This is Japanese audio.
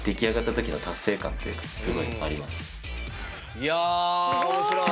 いや面白い！